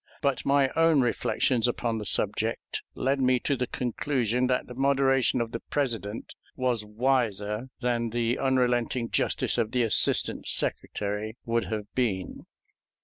But my own reflections upon the subject led me to the conclusion that the moderation of the President was wiser than the unrelenting justice of the Assistant Secretary would have been.